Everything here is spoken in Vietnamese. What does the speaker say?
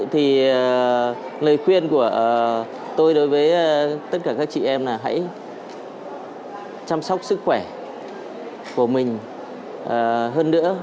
thì lời khuyên của tôi đối với tất cả các chị em là hãy chăm sóc sức khỏe của mình hơn nữa